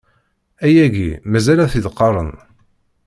Ayagi mazal a t-id-qqaren.